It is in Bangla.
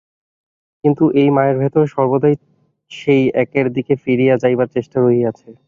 কিন্তু এই মায়ার ভিতরেও সর্বদাই সেই একের দিকে ফিরিয়া যাইবার চেষ্টা রহিয়াছে।